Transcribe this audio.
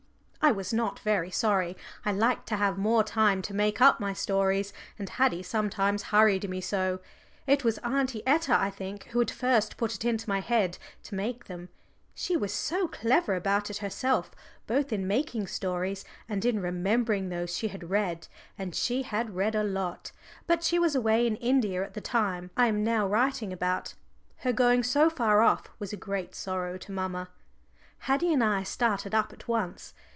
I was not very sorry. I liked to have more time to make up my stories, and Haddie sometimes hurried me so. It was Aunty Etta, I think, who had first put it into my head to make them. She was so clever about it herself, both in making stories and in remembering those she had read, and she had read a lot. But she was away in India at the time I am now writing about; her going so far off was a great sorrow to mamma. Haddie and I started up at once.